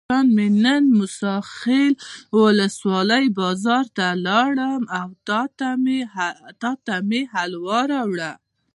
جان مې نن موسی خیل ولسوالۍ بازار ته لاړم او تاته مې حلوا راوړل.